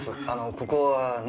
ここはね